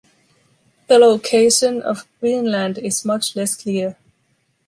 The location of Vinland is much less clear.